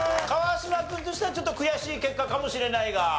川島君としてはちょっと悔しい結果かもしれないが。